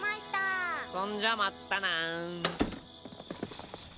そんじゃまったな。